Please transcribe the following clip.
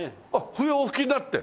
笛をお吹きになって？